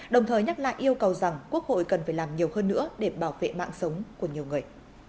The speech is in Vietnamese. đồng thời nhắc lại yêu cầu rằng quốc hội cần phải làm nhiều hơn nữa để bảo vệ mạng sống của nhiều người